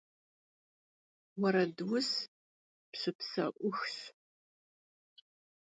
Vueredus pşıpse'uxş.